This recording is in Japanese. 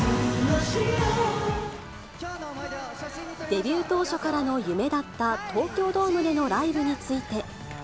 デビュー当初からの夢だった東京ドームでのライブについて。